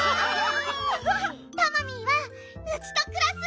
タマミーはウチとくらすッピ！